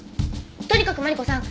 とにかくマリコさん